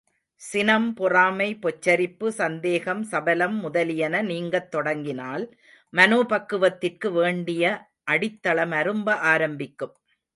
சினம், பொறாமை, பொச்சரிப்பு, சந்தேகம், சபலம் முதலியன நீங்கத் தொடங்கினால் மனோபக்குவத்திற்கு வேண்டிய அடித்தளம் அரும்ப ஆரம்பிக்கும்.